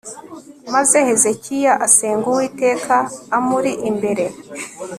maze hezekiya asenga uwiteka amuri imbere